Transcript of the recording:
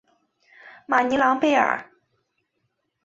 马尼朗贝尔。